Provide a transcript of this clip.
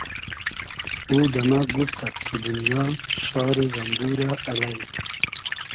او دۂ مۂ گوفتئگ کی دونیا شاری زئمبورۂ الݷ